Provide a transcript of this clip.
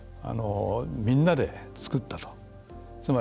みんなで、作ったと。